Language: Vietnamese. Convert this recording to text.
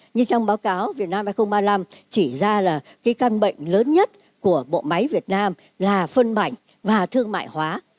như trong báo cáo việt nam hai nghìn ba mươi năm chỉ ra là cái căn bệnh lớn nhất của bộ máy việt nam là phân mảnh và thương mại hóa